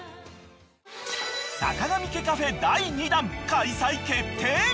［さかがみ家カフェ第２弾開催決定！］